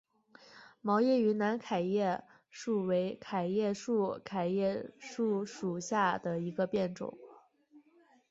毛叶云南桤叶树为桤叶树科桤叶树属下的一个变种。